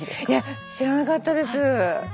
いや知らなかったです。